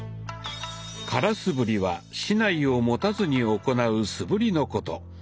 「空素振り」は竹刀を持たずに行う素振りのこと。